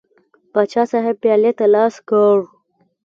پاچا صاحب پیالې ته لاس کړ.